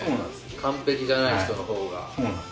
完璧じゃない人の方が。